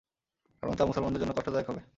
কারণ তা মুসলমানদের জন্য কষ্টদায়ক হবে।